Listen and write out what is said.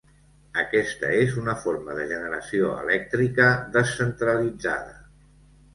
Aquesta és una forma de generació elèctrica descentralitzada.